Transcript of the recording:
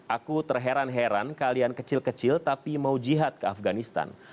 aku terheran heran kalian kecil kecil tapi mau jihad ke afganistan